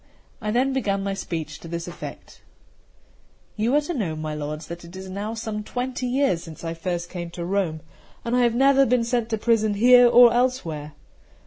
I then began my speech, to this effect: "You are to know, my lords, that it is now some twenty years since I first came to Rome, and I have never been sent to prison here or elsewhere."